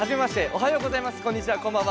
おはようございますこんにちはこんばんは。